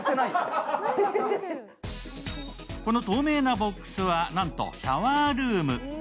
この透明なボックスは、なんとシャワールーム。